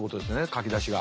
書き出しが。